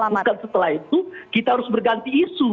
yang harus dilakukan setelah itu kita harus berganti isu